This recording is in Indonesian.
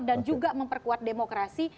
dan juga memperkuat demokrasi